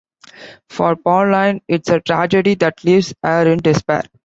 For Pauline, it's a tragedy that leaves her in despair.